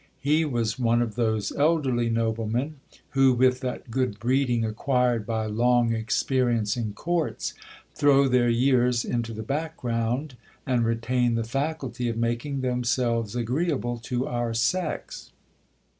He was one of those elderly noblemen who, with that good breeding acquired by long experience in courts, throw their years into the background, and retain the faculty of making themselves agreeable to our sex.